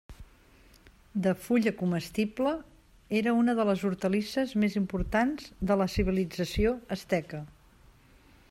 De fulla comestible, era una de les hortalisses més importants de la civilització asteca.